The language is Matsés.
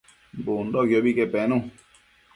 Bundoquiobi que penu